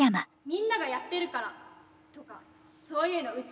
みんながやってるからとかそういうのうちは無理。